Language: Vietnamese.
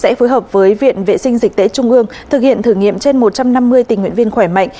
sẽ phối hợp với viện vệ sinh dịch tễ trung ương thực hiện thử nghiệm trên một trăm năm mươi tình nguyện viên khỏe mạnh